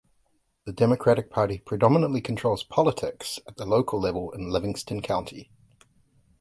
The Democratic Party predominantly controls politics at the local level in Livingston County.